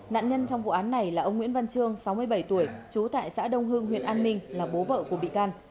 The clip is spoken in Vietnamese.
nạn nhân trong vụ án này là ông nguyễn văn trương sáu mươi bảy tuổi trú tại xã đông hưng huyện an minh là bố vợ của bị can